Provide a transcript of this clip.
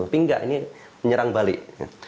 tapi enggak ini menyerang balik